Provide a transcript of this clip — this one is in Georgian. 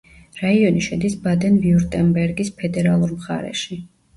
რაიონი შედის ბადენ-ვიურტემბერგის ფედერალურ მხარეში.